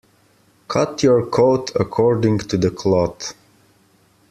Cut your coat according to the cloth.